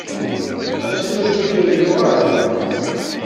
Asif-ayi ur iluɣ ara.